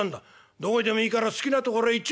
どこへでもいいから好きなところへ行っちめえ！」。